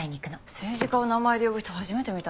政治家を名前で呼ぶ人初めて見た。